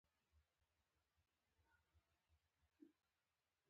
احمد له غوسې اېشي.